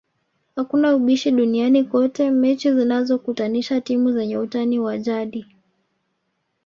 Hakuna ubishi duniani kote mechi zinazokutanisha timu zenye utani wa jadi